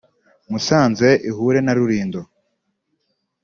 Musanze ihure na Rulindo